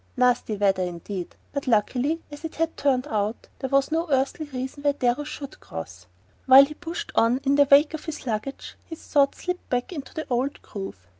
Nasty weather, indeed; but luckily, as it had turned out, there was no earthly reason why Darrow should cross. While he pushed on in the wake of his luggage his thoughts slipped back into the old groove.